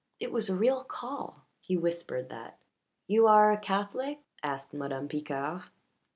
"It was a real call." He whispered that. "You are a Catholic?" asked Madame Picard.